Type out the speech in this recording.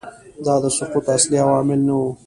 دا د سقوط اصلي عوامل نه وو